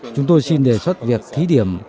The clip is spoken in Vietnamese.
chúng tôi xin đề xuất việc thí điểm